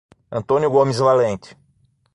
Antônio Gomes Valente